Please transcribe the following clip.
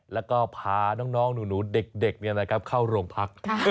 แล้วก็พาน้องหนูเด็กเนี่ยนะครับเข้าร่วมพัก